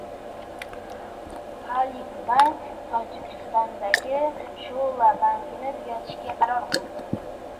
"Xalyk Bank" Tojikistondagi sho‘’ba bankini tugatishga qaror qildi